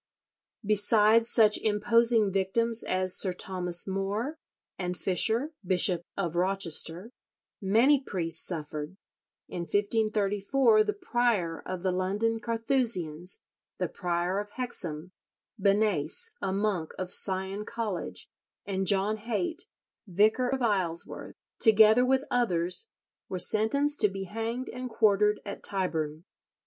Besides such imposing victims as Sir Thomas More, and Fisher, Bishop of Rochester, many priests suffered. In 1534 the prior of the London Carthusians, the prior of Hexham, Benase, a monk of Sion College, and John Haite, vicar of Isleworth, together with others, were sentenced to be hanged and quartered at Tyburn.